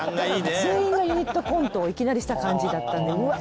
全員のユニットコントをいきなりした感じだったんでうわっ